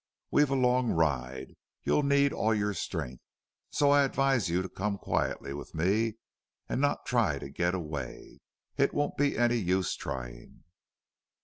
"We've a long ride. You'll need all your strength. So I advise you to come quietly with me and not try to get away. It won't be any use trying."